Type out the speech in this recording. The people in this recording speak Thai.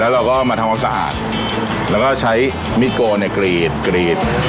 เราก็มาทำความสะอาดแล้วก็ใช้มิดโกเนี่ยกรีดกรีด